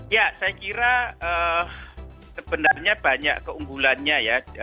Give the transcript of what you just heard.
ya saya kira sebenarnya banyak keunggulannya ya